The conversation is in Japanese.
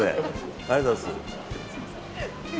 ありがとうございます。